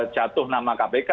jatuh nama kpk